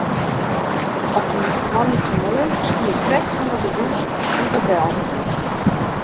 Op dy moandeitemoarn stie ik krekt ûnder de dûs doe't de bel gie.